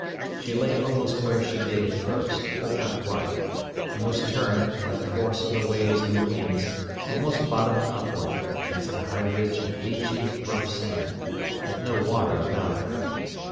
She lay almost where she did at first, but not quite; and was turned, by the force of the waves and the winds, almost bottom upward, against a high ridge of beachy, rough sand, but no water about her.